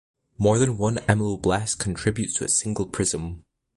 More than one ameloblast contributes to a single prism.